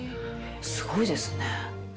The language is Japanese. すごいですね。